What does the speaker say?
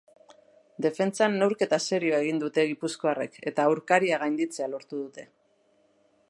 Defentsan neurketa serioa egin dute gipuzkoarrek, eta aurkaria gainditzea lortu dute.